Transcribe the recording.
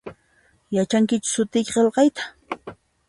Yachankichu sutiyki qilqayta?